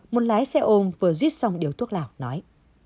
một lái xe ôm vừa giết xong điếu thuốc lào nói